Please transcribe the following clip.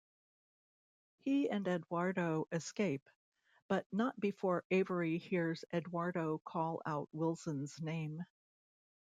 He and Eduardo escape, but not before Avery hears Eduardo call out Wilson's name.